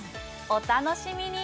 お楽しみに！